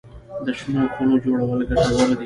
د شنو خونو جوړول ګټور دي؟